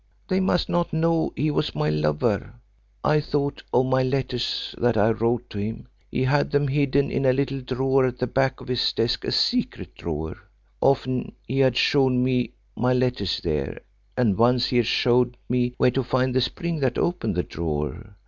They must not know he was my lover. I thought of my letters that I wrote to him. He had them hidden in a little drawer at the back of his desk a secret drawer. Often had he showed me my letters there, and once he had showed me where to find the spring that opened the drawer.